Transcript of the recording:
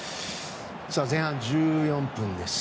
前半１４分です。